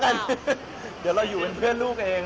เดี๋ยวเราอยู่เป็นเพื่อนลูกเอง